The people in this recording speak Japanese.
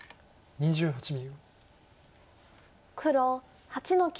２８秒。